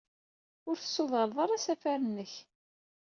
Ur tessudred ara asafar-nnek.